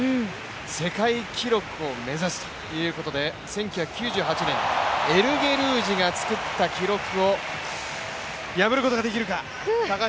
世界記録を目指すということで、１９９８年、エルゲルージが作った記録を破ることができるか。